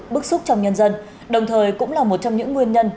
bức xúc trong nhân dân đồng thời cũng là một trong những nguyên nhân